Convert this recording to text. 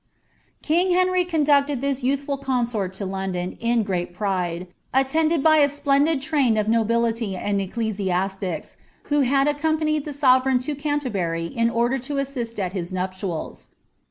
'' King Henry conducted his youthful consort to London in great pride, illendMl by a splendid train of nobility and ecclesiastics, who had accom ■animl the sovereign to Ganterbuiy in order to assist at his nuptials.